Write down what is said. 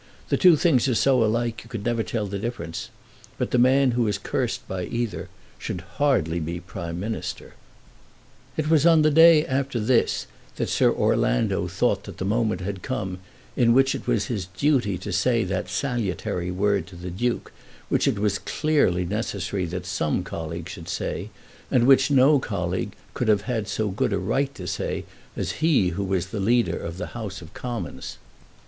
"The two things are so alike you can never tell the difference. But the man who is cursed by either should hardly be a Prime Minister." It was on the day after this that Sir Orlando thought that the moment had come in which it was his duty to say that salutary word to the Duke which it was clearly necessary that some colleague should say, and which no colleague could have so good a right to say as he who was the Leader of the House of Commons.